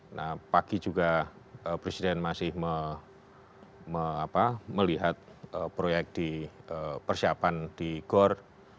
nah pagi juga presiden masih melihat persiapan di gor